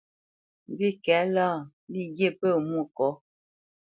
Mbîkɛ̌lâ, lî ghye pə̂ Mwôkɔ̌.